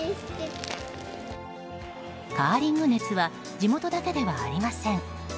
カーリング熱は地元だけではありません。